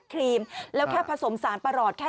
กินให้ดูเลยค่ะว่ามันปลอดภัย